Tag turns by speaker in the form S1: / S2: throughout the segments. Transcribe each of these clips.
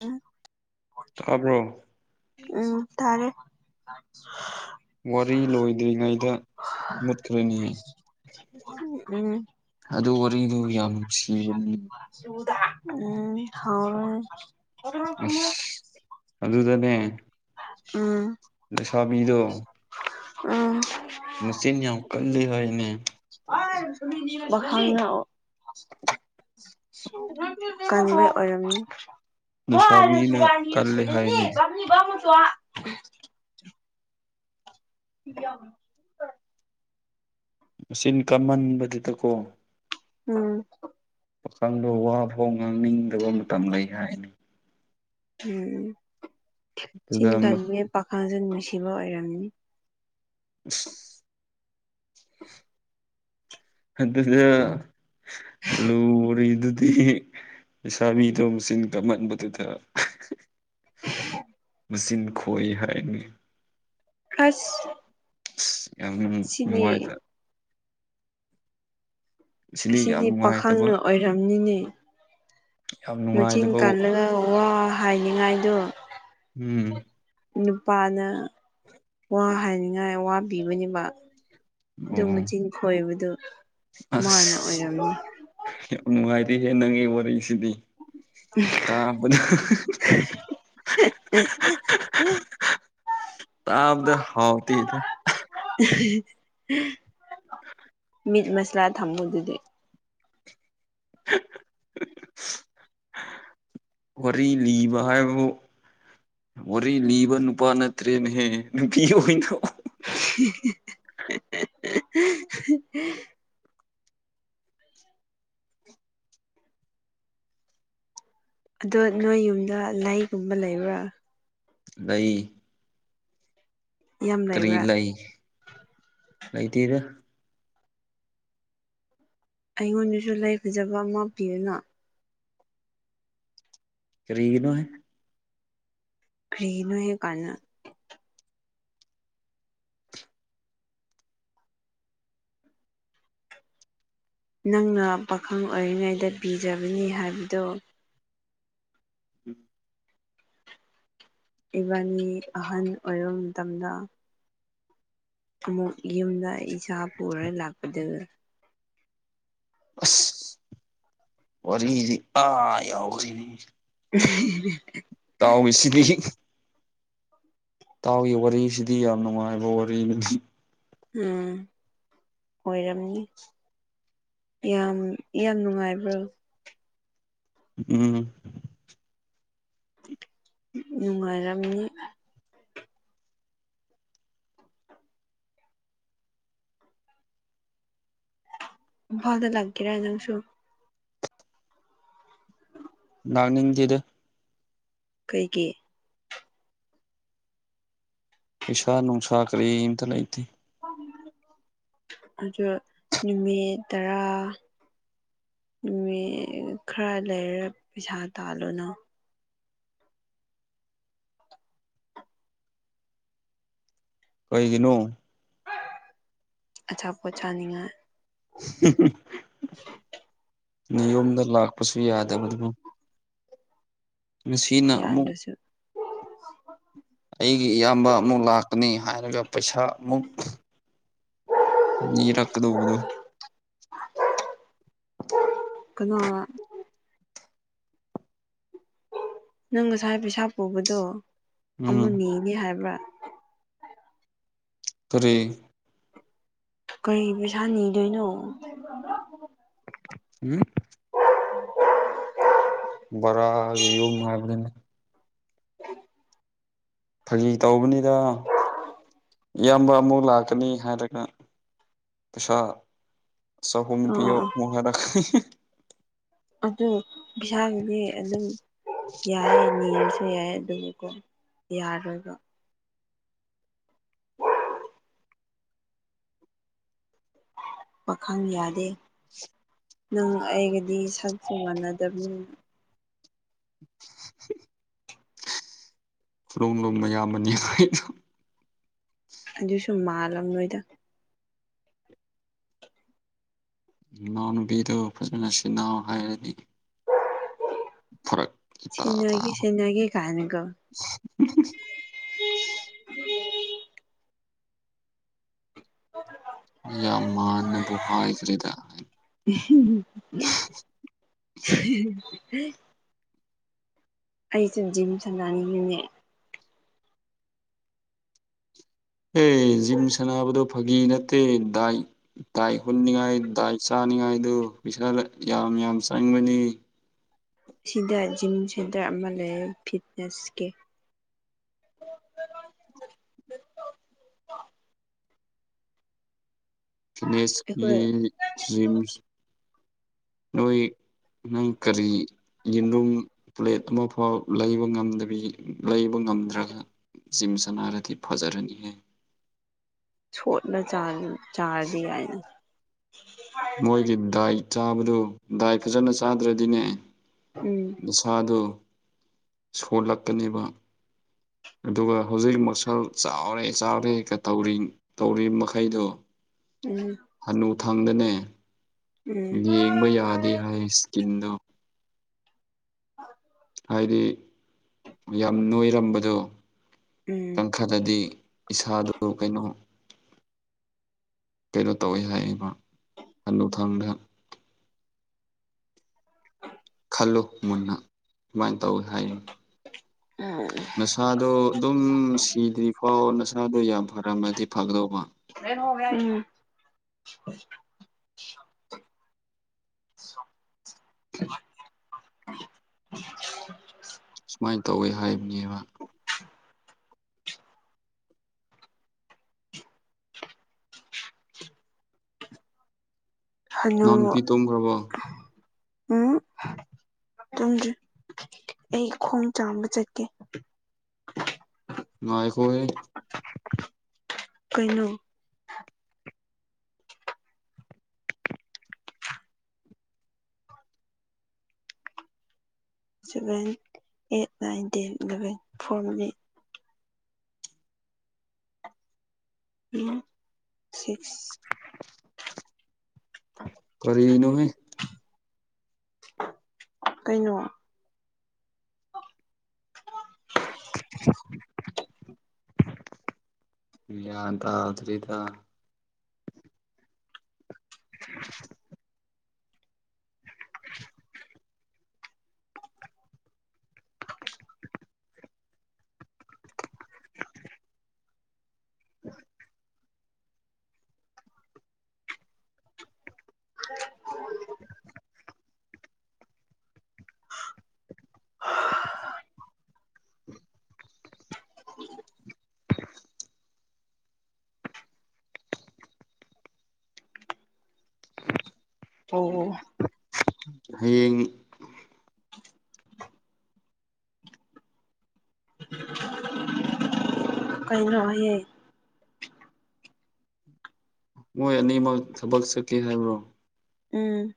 S1: ꯏꯟ
S2: ꯇꯥꯕ꯭ꯔꯣ
S1: ꯎꯝ ꯇꯔꯦ
S2: ꯋꯥꯔꯤ ꯂꯣꯏꯗ꯭ꯔꯤꯉꯩꯗ ꯃꯨꯠꯈ꯭ꯔꯅꯤ
S1: ꯎ
S2: ꯑꯗꯨ ꯋꯥꯔꯤꯗꯨ ꯌꯥꯝ ꯅꯨꯡꯁꯤꯕꯅꯤ
S1: ꯎꯝ ꯍꯥꯎ
S2: ꯑꯁ ꯑꯗꯨꯗꯅꯦ
S1: ꯎꯝ
S2: ꯑꯁꯕꯤꯗꯣ
S1: ꯎꯝ
S2: ꯃꯆꯤꯟ ꯌꯥꯝ ꯀꯜꯂꯤ ꯍꯅꯦ
S1: [unintelligible] ꯀꯔ [inaudible] ꯀꯅꯤꯕ
S2: ꯂꯩꯁꯥꯕꯤꯅ ꯀꯜꯂꯦ ꯍꯥꯏꯅꯤ
S1: ꯃꯁꯨꯣ [inaudible] ꯌꯥ [inaudible]
S2: ꯆꯤꯟ ꯀꯝꯃꯟꯕꯗꯨꯗꯀꯣ
S1: ꯎꯝ
S2: ꯄꯥꯈꯪꯗ ꯋꯥ ꯐꯥꯎ ꯉꯥꯡꯅꯤꯡꯗꯕ ꯃꯇꯝ ꯂꯩ ꯍꯥꯏ
S1: ꯎꯝ ꯆꯤꯟ
S2: ꯑꯗꯨꯒ
S1: ꯀꯟꯅꯦ ꯄꯥꯈꯪꯁꯦ ꯅꯨꯡꯁꯤꯕ ꯑꯣꯏꯔꯝꯅꯤ
S2: [unintelligible] ꯑ ꯑꯗꯨꯁꯗ [inaudible] ꯂꯨꯔꯤꯗꯨꯗꯤ ꯂꯩꯁꯥꯕꯤꯗꯣ ꯃꯆꯤꯟ ꯀꯥꯟꯃꯟꯕꯗꯨꯗ
S1: ꯎ [inaudible]
S2: ꯃꯆꯤꯟ ꯈꯣꯏ ꯍꯥꯏꯅꯤ
S1: ꯑꯁ
S2: ꯌꯥꯝ
S1: ꯁꯤꯗꯤ
S2: ꯅꯨꯡꯉꯥꯏꯇ ꯁꯤꯗꯤ ꯌꯥꯝ
S1: ꯑꯁꯤꯗꯤ
S2: ꯅꯨꯡꯉꯥꯏꯇꯕ
S1: ꯄꯥꯈꯪꯅ ꯑꯣꯏꯔꯝꯅꯤꯅꯦ
S2: ꯌꯥꯝ
S1: ꯃꯆꯤꯟ
S2: ꯅꯨꯡꯉꯥꯏꯇꯕ
S1: ꯀꯜꯂꯒ ꯋꯥ ꯍꯥꯏꯅꯤꯉꯥꯏꯗꯣ
S2: ꯎꯝ
S1: ꯅꯨꯄꯥꯅ ꯋꯥ ꯍꯥꯏꯅꯤꯡꯉꯥꯏ ꯋꯥ ꯄꯤꯕꯅꯦꯕ ꯑꯗꯨ
S2: ꯑꯣ
S1: ꯃꯆꯤꯟ ꯈꯣꯏꯕꯗꯨ ꯃꯥꯅ
S2: ꯑꯁ
S1: ꯑꯣꯏꯔꯝꯅꯤ
S2: ꯌꯥꯝ ꯅꯨꯡꯉꯥꯏꯗꯤ ꯍꯦ ꯅꯪꯒꯤ ꯋꯥꯔꯤꯁꯤꯗꯤ ꯇꯕꯗ ꯇꯥꯕꯗ ꯍꯥꯎꯇꯦꯗ
S1: ꯃꯤꯠ ꯃꯁꯂꯥ ꯊꯝꯃꯨ ꯑꯗꯨꯗꯤ
S2: ꯋꯥꯔꯤ ꯂꯤꯕ ꯍꯥꯏꯕꯕꯨ ꯋꯥꯔꯤ ꯂꯤꯕ ꯅꯨꯄꯥ ꯅꯠꯇ꯭ꯔꯦꯅꯦꯍꯦ ꯅꯨꯄꯤ ꯑꯣꯏꯅ
S1: [inaudible] ꯑꯗꯣ ꯅꯣꯏ ꯌꯨꯝꯗ ꯂꯩꯒꯨꯝꯕ ꯂꯩꯕ꯭ꯔꯥ
S2: ꯂꯩ
S1: ꯌꯥꯝ
S2: ꯀꯔꯤ
S1: ꯂꯩꯕ꯭ꯔꯥ
S2: ꯂꯩ ꯂꯩꯇꯦꯗ
S1: ꯑꯩꯉꯣꯟꯗꯁꯨ ꯂꯩꯥ ꯐꯖꯕ ꯑꯃ ꯄꯤꯌꯨꯅ
S2: ꯀꯔꯤꯒꯤꯅꯣꯍꯦ
S1: ꯀ꯭ꯔꯤꯒꯤꯅꯣ ꯀꯥꯢ ꯍꯥꯢꯅ ꯅꯪꯅ ꯄꯥꯈꯪ ꯑꯣꯏꯔꯤꯉꯩꯗ ꯄꯤꯖꯕꯅꯤ ꯍꯥꯏꯕꯗꯣ
S2: ꯎꯝ
S1: ꯏꯕꯥꯟꯅꯤ ꯑꯍꯜ ꯑꯣꯏꯔꯕ ꯃꯇꯝꯗ ꯑꯃꯨꯛ ꯌꯨꯝꯗ ꯏꯆꯥ ꯄꯨꯔ ꯂꯥꯛꯄꯗꯣ
S2: ꯑꯁ ꯋꯥꯔꯤꯗꯤ ꯑꯥ ꯌꯥꯎꯈꯔꯦꯅꯦ
S1: [inaudible]
S2: ꯇꯥꯎ ꯑꯦꯁꯤꯗꯤ ꯢꯇꯥꯎꯒꯤ ꯋꯥꯔꯤꯁꯤꯗꯤ ꯌꯥꯝ ꯅꯨꯡꯉꯥꯏꯕ ꯋꯥꯔꯤ
S1: ꯎꯝ ꯑꯣꯏꯔꯝꯅꯤ ꯌꯥꯝ ꯌꯥꯝ ꯅꯨꯡꯉꯥꯏꯕ꯭ꯔꯣ
S2: ꯎꯝ
S1: ꯅꯨꯡꯉꯥꯏꯔꯝꯅꯤ ꯢꯝꯐꯥꯜꯗ ꯂꯥꯛꯒꯦꯔ ꯅꯪꯁꯨ
S2: ꯂꯥꯛꯅꯤꯡꯗꯦꯗ
S1: ꯀꯩꯒꯤ
S2: ꯄꯩꯁꯥ ꯅꯨꯡꯁꯥ ꯀꯔꯤ ꯑꯝꯇ ꯂꯩꯇꯦ
S1: ꯑꯗꯨ ꯅꯨꯃꯤꯠ ꯇꯔꯥ ꯈꯔ ꯂꯩꯔ ꯄꯩꯁꯥ ꯇꯥꯜꯂꯨꯅ
S2: ꯀꯩꯒꯤꯅꯣ
S1: ꯑꯆꯥꯥꯄꯣꯠ ꯆꯥꯅꯤꯡꯉꯥꯏ
S2: ꯅꯤꯌꯣꯝꯗ ꯂꯥꯛꯄꯁꯨ ꯌꯥꯗꯕꯗꯨꯕꯨ ꯉꯁꯤꯅ ꯑꯃꯨꯛ
S1: ꯌꯥꯗ꯭ꯔꯁꯨ
S2: ꯑꯩꯒꯤ ꯏꯌꯥꯝꯕ ꯑꯃꯨꯛ ꯂꯥꯛꯀꯅꯤ ꯍꯥꯏꯔꯒ ꯄꯩꯁꯥ ꯑꯃꯨꯛ ꯅꯤꯔꯛꯀꯗꯧꯕꯗꯨ
S1: ꯀꯟꯅꯥ ꯅꯪ ꯉꯁꯥꯏ ꯄꯩꯁꯥ ꯄꯨꯕꯗꯣ
S2: ꯎꯝ
S1: ꯑꯃꯨꯛ ꯅꯤꯅꯤ ꯍꯥꯏꯕ꯭ꯔꯥ
S2: ꯀꯔꯤ
S1: ꯀꯩ ꯄꯩꯁꯥ ꯅꯤꯗꯣꯏꯅꯣ
S2: ꯍꯨꯝ
S1: [inaudible]
S2: ꯕꯥꯔꯥꯒꯤ ꯌꯨꯝ ꯍꯥꯏꯕꯗꯨꯅꯤ
S1: [unintelligible]
S2: ꯐꯥꯒꯤ ꯇꯧꯕꯅꯤꯗ ꯏꯌꯥꯝꯕ ꯑꯃꯨꯛ ꯂꯥꯛꯀꯅꯤ ꯍꯥꯏꯔꯒ ꯄꯩꯁꯥ ꯆꯍꯨꯝ
S1: ꯑ ꯑ
S2: ꯄꯤꯌꯣ
S1: ꯑ
S2: ꯃꯨꯛ ꯍꯥꯏꯔꯛꯀꯅꯤ
S1: ꯑꯗꯨ ꯄꯩꯁꯥꯗꯨꯗꯤ ꯑꯗꯨꯝ ꯌꯥꯏꯌꯦ ꯃꯦꯟꯁꯦ ꯌꯥꯏ ꯑꯗꯨꯕꯨꯀꯣ ꯌꯥꯔꯣꯏꯕ ꯄꯥꯈꯪ ꯌꯥꯗꯦ ꯅꯪ ꯑꯩꯒꯗꯤ ꯁꯛꯁꯨ ꯃꯥꯟꯅꯗꯕꯅꯤ
S2: [unintelligible] ꯃꯌꯥꯝꯕꯅꯤ ꯍꯥꯏꯗꯔꯣ
S1: ꯑꯗꯨꯁꯨ ꯃꯥꯜꯂꯝ ꯂꯣꯏꯗ
S2: ꯅꯅꯥꯎꯅꯨꯄꯤꯗꯣ ꯐꯖꯅ ꯁꯦꯟꯅꯧ ꯍꯥꯏꯔꯗꯤ ꯐꯨꯔꯛ
S1: ꯁꯦꯟꯅꯒꯦ ꯁꯦꯟꯅꯒꯦ ꯀꯥꯏꯅꯒꯥ
S2: [inaudible] ꯌꯥꯝ ꯃꯥꯟꯅꯕꯨ ꯍꯥꯏꯈ꯭ꯔꯦꯗ
S1: [unintelligible] ꯑꯩꯖꯨ ꯖꯤꯝ ꯁꯟꯅꯅꯤꯡꯉꯤꯅꯦ
S2: ꯑꯦ ꯖꯤꯝ ꯁꯥꯟꯅꯕꯗꯣ ꯐꯥꯒꯤ ꯅꯠꯇꯦ ꯗꯥꯏꯠ ꯗꯥꯏꯠ ꯍꯨꯟꯅꯤꯉꯥꯏ ꯗꯥꯏꯠ ꯆꯥꯅꯤꯡꯉꯥꯏꯗꯨ ꯄꯩꯁꯥ ꯂ ꯌꯥꯝ ꯌꯥꯝ ꯆꯪꯕꯅꯤ
S1: ꯁꯤꯗ ꯖꯤꯝ ꯁꯦꯟꯇꯔ ꯑꯃ ꯂꯩꯏ ꯐꯤꯠꯅꯦꯁꯀꯤ [unintelligible]
S2: ꯐꯤꯠꯅꯦꯁ ꯀꯤ
S1: ꯑꯩꯈꯣꯏ
S2: ꯖꯤꯝ ꯅꯣꯏ ꯅꯪ ꯀꯔꯤ ꯌꯦꯔꯨꯝ ꯄ꯭ꯂꯦꯠ ꯑꯃ ꯐꯥꯎ ꯂꯩꯕ ꯉꯝꯗꯕꯤ ꯂꯩꯕ ꯉꯝꯗ꯭ꯔꯒ ꯖꯤꯝ ꯁꯥꯅꯔꯗꯤ ꯐꯖꯔꯅꯤ ꯍꯦ
S1: ꯁꯣꯠꯂ ꯆꯥꯔ ꯆꯥꯔꯗꯤ ꯌꯥꯏꯅ
S2: ꯃꯣꯏꯒꯤ ꯗꯥꯏꯠ ꯆꯥꯕꯗꯨ ꯗꯥꯏ ꯐꯖꯅ ꯆꯥꯗ꯭ꯔꯗꯤꯅꯦ
S1: ꯎꯝ
S2: ꯏꯁꯥꯗꯨ ꯁꯣꯜꯂꯛꯀꯅꯦꯕ ꯑꯗꯨꯒ ꯍꯧꯖꯤꯛ ꯃꯁꯜ ꯆꯥꯎꯔꯦ ꯆꯥꯎꯔꯦꯒ ꯇꯧꯔꯤꯡ ꯇꯧꯔꯤ ꯃꯈꯩꯗꯣ
S1: ꯎꯝ
S2: ꯍꯥꯅꯨ ꯊꯪꯗꯅꯦ
S1: ꯎꯝ
S2: ꯌꯦꯡꯕ ꯌꯥꯗꯦ ꯍꯥꯏ ꯏꯁꯀꯤꯟꯗꯣ
S1: [inaudible]
S2: ꯍꯥꯏꯗꯤ ꯌꯥꯝ ꯅꯣꯏꯔꯝꯕꯗꯣ
S1: ꯎꯝ
S2: ꯀꯪꯈꯗꯗꯤ ꯏꯁꯥꯗꯨ ꯀꯩꯅꯣ ꯀꯩꯅꯣ ꯇꯧꯋꯦ ꯍꯥꯏꯌꯦꯕ ꯍꯅꯨꯊꯪꯗ
S1: [unintelligible]
S2: ꯈꯜꯂꯨ ꯃꯨꯟꯅ ꯁꯨꯃꯥꯏꯅ ꯇꯧꯋꯤ ꯍꯥꯏꯌꯦ
S1: ꯎꯝ
S2: ꯅꯁꯥꯗꯣ ꯑꯗꯨꯝ ꯁꯤꯗ꯭ꯔꯤ ꯐꯥꯎ ꯅꯁꯥꯗꯣ ꯌꯥꯝ ꯐꯔꯝꯃꯗꯤ ꯐꯗꯧꯕ
S1: ꯐꯩꯅ ꯍꯒ
S2: ꯁꯨꯃꯥꯏꯅ ꯇꯧꯋꯤ ꯍꯥꯏꯕꯅꯦꯕ
S1: ꯍꯜꯂꯣ
S2: ꯅꯅꯥꯎ ꯅꯨꯄꯤ ꯇꯨꯝꯈ꯭ꯔꯕꯣ
S1: ꯎꯝ ꯇꯨꯝꯗ꯭ꯔꯤ ꯑꯩ ꯈꯣꯡ ꯆꯥꯝꯕ ꯆꯠꯀꯦ
S2: ꯅꯥꯏ ꯑꯩꯈꯣꯏ
S1: ꯀꯩꯅꯣ seven eight nine ten eleven four ꯃꯤ ꯎꯝ ꯁꯤꯛꯁ
S2: ꯀꯔꯤꯅꯣꯍꯦ
S1: ꯀꯩꯅꯣ
S2: [unintelligible] ꯌꯥꯟ ꯇꯥꯗꯔꯤꯗ [unintelligible] [inaudible]
S1: [inaudible]
S2: [inaudible]
S1: [unintelligible] ꯎ ꯑ
S2: ꯍꯌꯦꯡ
S1: [unintelligible] ꯀꯩꯅꯌꯦꯦ
S2: ꯃꯣꯏ ꯑꯅꯤꯃꯛ ꯊꯕꯛ ꯆꯠꯀꯦ ꯍꯥꯏꯕ꯭ꯔꯣ
S1: ꯎꯝ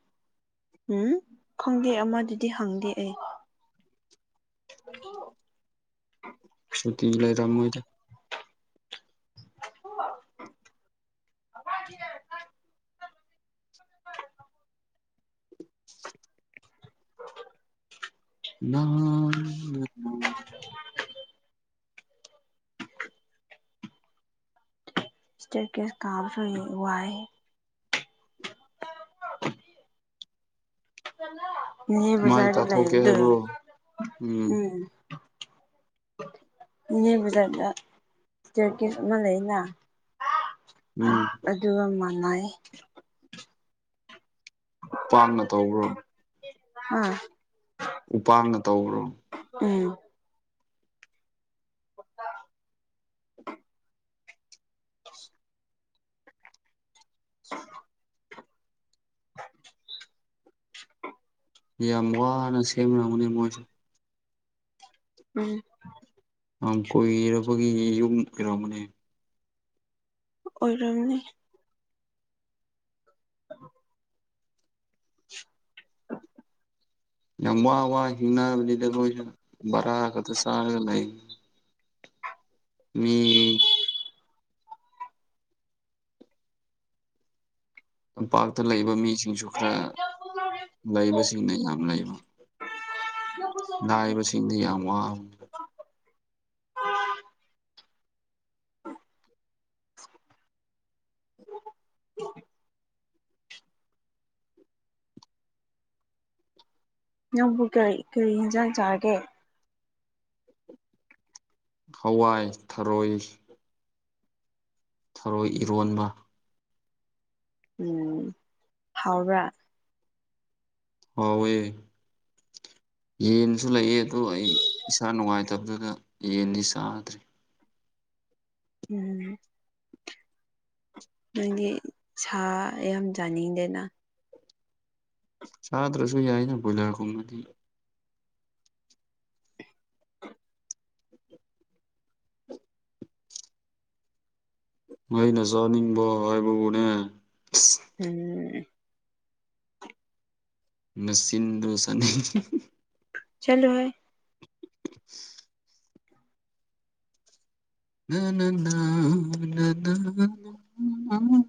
S1: ꯎꯝ ꯈꯪꯗꯦ ꯑꯃꯗꯨꯗꯤ ꯍꯪꯗꯦ ꯑꯩ ꯑꯗꯨ
S2: ꯁꯨꯇꯤ ꯂꯩꯔꯝꯃꯣꯏꯗ
S1: [unintelligible]
S2: [unintelligible]
S1: ꯑꯣ
S2: [unintelligible]
S1: [unintelligible] ꯏꯁꯇꯦꯠ ꯀꯦꯁ ꯀꯥꯕꯁꯨ ꯋꯥꯏ
S2: ꯃꯥꯏ
S1: ꯅꯕꯖꯥꯗ
S2: ꯇꯥꯊꯣꯛꯀꯦ
S1: ꯂꯩꯔꯗ
S2: ꯍꯥꯏꯕ꯭ꯔꯣ
S1: ꯎꯝ ꯏꯅꯦ ꯕꯖꯥꯔꯗ ꯇꯔꯀꯤꯁ ꯑꯃ ꯂꯩꯅ
S2: ꯎꯝ
S1: ꯑꯗꯨ ꯑꯃꯅꯥꯏ
S2: ꯄꯥꯛꯅ ꯇꯧꯕ꯭ꯔꯣ
S1: ꯑꯥ
S2: ꯎꯄꯒ ꯇꯧꯕ꯭ꯔꯣ
S1: ꯎꯝ
S2: ꯌꯥꯝ ꯋꯥꯅ ꯁꯦꯝꯅꯝꯒꯅꯤ ꯃꯣꯏꯁꯨ
S1: ꯎꯝ
S2: ꯀꯣꯏꯔꯕꯒꯤ ꯌꯨꯝ ꯑꯣꯏꯔꯝꯕꯅꯦ
S1: ꯑꯣꯏꯔꯝꯅꯤ
S2: ꯌꯥꯝ ꯋꯥ ꯋꯥ ꯍꯤꯡꯅꯕꯅꯤꯗ ꯃꯣꯏꯁꯨ ꯕꯔꯥ ꯈꯛꯇ ꯆꯥꯔꯒ ꯂꯩ ꯎꯝ ꯇꯝꯄꯥꯛꯇ ꯂꯩꯕ ꯃꯤꯁꯤꯡꯁꯨ ꯈꯔ ꯂꯩꯕꯁꯤꯡꯅ ꯌꯥꯝ ꯂꯩꯕ ꯂꯥꯛꯏꯕꯁꯤꯡꯗꯤ ꯌꯥꯝ ꯋꯥ
S1: ꯅꯪꯕꯨ ꯀꯔꯤ ꯀꯔꯤ ꯌꯦꯟꯖꯥꯡ ꯆꯥꯒꯦ
S2: ꯍꯋꯥꯏ ꯊꯔꯣꯏ ꯊꯔꯣꯏ ꯏꯔꯣꯟꯕ
S1: ꯎꯝ ꯍꯥꯎꯔ
S2: ꯍꯋꯦ ꯌꯦꯟꯁꯨ ꯂꯩꯌꯦ ꯑꯗꯨꯗ ꯑꯩ ꯏꯁꯥ ꯅꯨꯡꯉꯥꯏꯇꯕꯗꯨꯗ ꯌꯦꯟꯗꯤ ꯆꯥꯗ꯭ꯔꯦ
S1: ꯎꯝ ꯅꯪꯗꯤ ꯁꯥ ꯌꯥꯝ ꯆꯥꯅꯤꯡꯗꯦꯅ
S2: ꯆꯥꯗ꯭ꯔꯁꯨ ꯌꯥꯏꯅ ꯕꯣꯏꯂꯔꯒꯨꯝꯕꯗꯤ ꯑꯩꯅ ꯆꯥꯅꯤꯡꯕ ꯍꯥꯏꯕꯕꯨꯅꯦ
S1: ꯎꯝ
S2: ꯅꯆꯤꯟꯗꯣ ꯆꯥꯅꯤꯡꯉꯤ
S1: ꯆꯂꯣꯍꯦ
S2: [unintelligible] [unintelligible]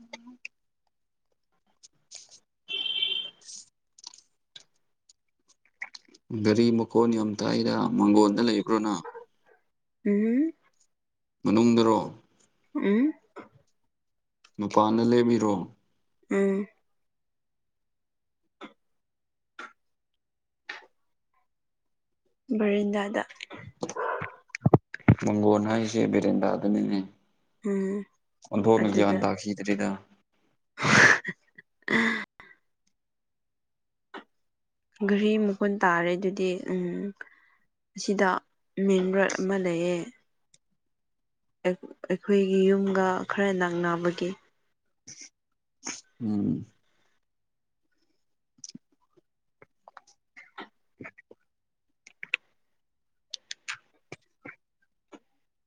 S2: ꯒꯥꯔꯤ ꯃꯈꯣꯟ ꯌꯥꯝ ꯇꯥꯏꯗ ꯃꯥꯡꯒꯣꯟꯗ ꯂꯩꯕ꯭ꯔꯣ ꯅꯪ
S1: ꯎꯝ
S2: ꯃꯅꯨꯡꯗꯔꯣ
S1: ꯎꯝ
S2: ꯃꯄꯥꯟꯗ ꯂꯦꯝꯄꯤꯔꯣ
S1: ꯎꯝ ꯚꯦꯔꯟꯗꯥꯗ
S2: ꯃꯪꯒꯣꯟ ꯍꯥꯏꯁꯦ ꯕꯦꯔꯦꯟꯗꯥꯗꯨꯅꯤꯅꯦ
S1: ꯎꯝ
S2: ꯑꯣꯟꯊꯣꯛꯅ
S1: ꯑꯗꯨꯗ
S2: ꯒ꯭ꯌꯥꯟ ꯇꯥꯈꯤꯗ꯭ꯔꯤꯗ
S1: [unintelligible] ꯘꯔꯤ ꯃꯈꯣꯟ ꯇꯥꯔꯦ ꯑꯗꯨꯗꯤ ꯎꯝ ꯑꯁꯤꯗ ꯃꯦꯟ ꯔꯣꯗ ꯑꯃ ꯂꯩꯌꯦ ꯑꯩꯈꯣꯏꯒꯤ ꯌꯨꯝꯒ ꯈꯔ ꯅꯛꯅꯕꯒꯤ
S2: ꯎꯝ